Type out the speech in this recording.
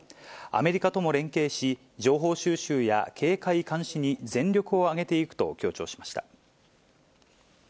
アメリカとも連携し、情報収集や警戒監視に全力を挙げていくと強調しました。